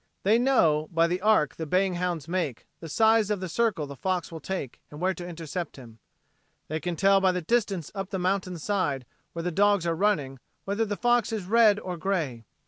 They know by the arc the baying hounds make the size of the circle the fox will take and where to intercept him. They can tell by the distance up the mountain's side where the dogs are running whether the fox is red or gray.